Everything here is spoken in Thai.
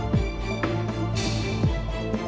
มีแล้วค่ะ